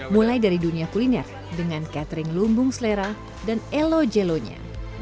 mulai dari dunia kuliner dengan catering lumbung selera dan elo jelonya